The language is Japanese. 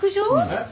えっ？